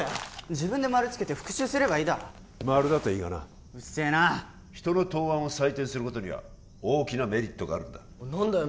自分でマルつけて復習すればいいだろマルだといいがなうっせえな人の答案を採点することには大きなメリットがあるんだ何だよ